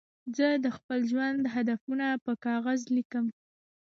زه د خپل ژوند هدفونه په کاغذ لیکم.